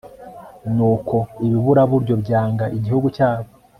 nuko ibiburaburyo byanga igihugu cyabo